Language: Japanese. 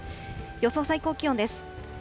予想最高気温です。